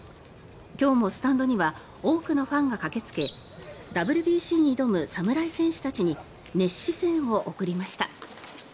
今日もスタンドには多くのファンが駆けつけＷＢＣに挑む侍戦士たちに熱視線を送りました。